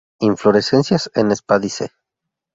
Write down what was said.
Inflorescencias en espádice.